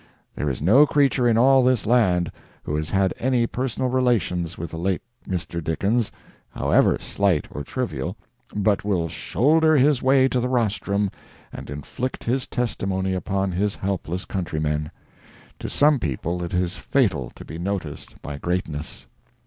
There is no creature in all this land who has had any personal relations with the late Mr. Dickens, however slight or trivial, but will shoulder his way to the rostrum and inflict his testimony upon his helpless countrymen. To some people it is fatal to be noticed by greatness.